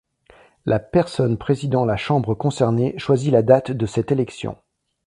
La personne présidant la chambre concernée choisit la date de cette élection.